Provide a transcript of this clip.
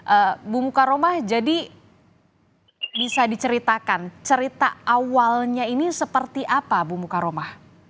ibu muka roma jadi bisa diceritakan cerita awalnya ini seperti apa ibu muka roma